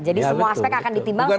jadi semua aspek akan ditimbang selain